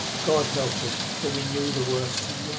God help us, for we knew the worst too young!